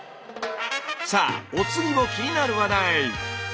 さあお次の気になる話題。